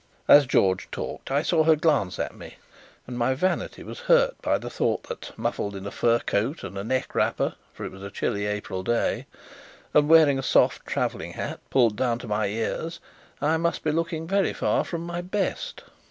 As George talked, I saw her glance at me, and my vanity was hurt by the thought that, muffled in a fur coat and a neck wrapper (for it was a chilly April day) and wearing a soft travelling hat pulled down to my ears, I must be looking very far from my best.